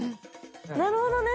なるほどね。